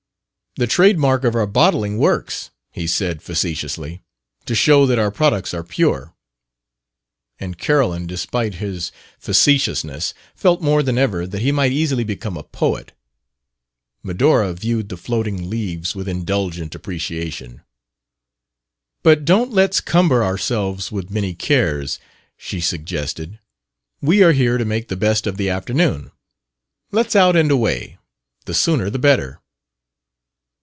"The trade mark of our bottling works," he said facetiously; "to show that our products are pure." And Carolyn, despite his facetiousness, felt more than ever that he might easily become a poet. Medora viewed the floating leaves with indulgent appreciation. "But don't let's cumber ourselves with many cares," she suggested; "we are here to make the best of the afternoon. Let's out and away, the sooner the better."